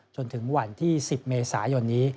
จนถึงวันที่๑๐เมษายนนี้